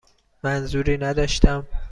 منظوری نداشتم.